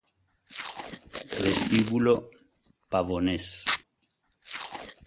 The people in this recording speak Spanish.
Vestíbulo Pavones